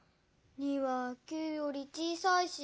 ２は９よりちいさいし。